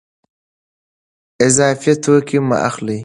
اضافي توکي مه اخلئ.